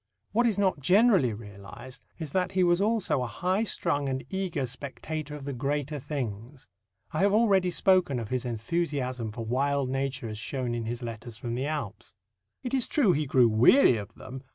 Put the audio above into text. What is not generally realized is that he was also a high strung and eager spectator of the greater things. I have already spoken of his enthusiasm for wild nature as shown in his letters from the Alps. It is true he grew weary of them.